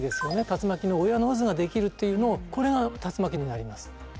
竜巻の親の渦が出来るっていうのをこれが竜巻になります。